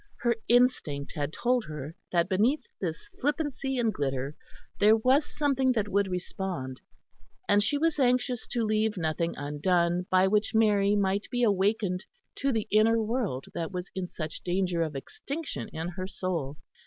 Her instinct had told her that beneath this flippancy and glitter there was something that would respond; and she was anxious to leave nothing undone by which Mary might be awakened to the inner world that was in such danger of extinction in her soul.